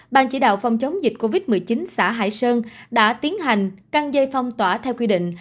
ban chỉ đạo phòng chống dịch covid một mươi chín xã hải sơn đã tiến hành căng dây phong tỏa theo quy định